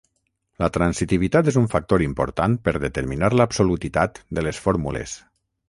La transitivitat és un factor important per determinar l'absolutitat de les fórmules.